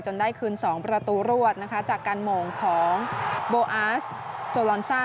ได้คืน๒ประตูรวดนะคะจากการโมงของโบอาสโซลอนซ่า